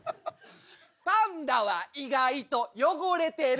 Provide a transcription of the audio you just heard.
パンダは意外と汚れてる。